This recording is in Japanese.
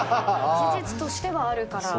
事実としてはあるから。